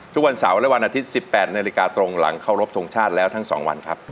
ทุกวันเสาร์และวันอาทิตย์๑๘นาฬิกาตรงหลังเคารพทงชาติแล้วทั้ง๒วันครับ